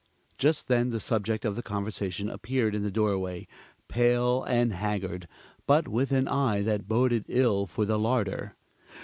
Just then the subject of the conversation appeared in the doorway, pale and haggard, but with an eye that boded ill for the larder.